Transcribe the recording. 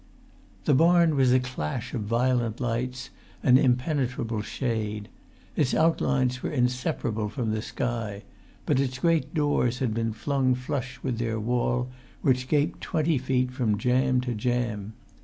The barn was a clash of violent lights and impenetrable shade. Its outlines were inseparable from the sky; but its great doors had been flung flush with their wall, which gaped twenty feet from jamb to jamb.